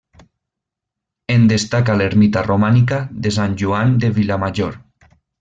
En destaca l'ermita romànica de Sant Joan de Vilamajor.